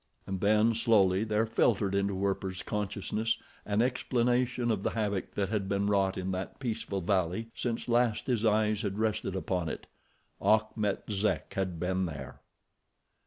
And then, slowly there filtered into Werper's consciousness an explanation of the havoc that had been wrought in that peaceful valley since last his eyes had rested upon it—Achmet Zek had been there!